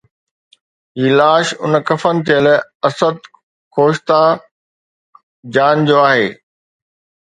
هي لاش اڻ کفن ٿيل اسد خوشتا جان جو آهي